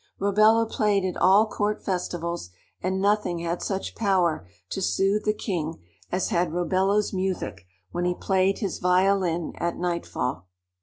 Robello played at all court festivals, and nothing had such power to soothe the king as had Robello's music when he played his violin at nightfall.